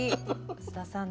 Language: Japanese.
須田さん